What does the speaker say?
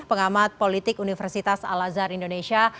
pengamat politik universitas al azhar indonesia